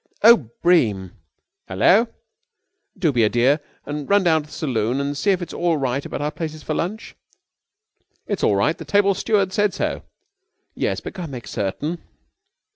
"Oh, Bream!" "Hello?" "Do be a dear and run down to the saloon and see if it's all right about our places for lunch." "It is all right. The table steward said so." "Yes, but go and make certain."